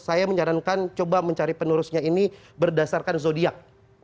saya menyarankan mencari penerusnya ini berdasarkan zodiak